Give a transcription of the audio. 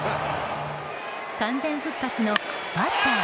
完全復活のバッター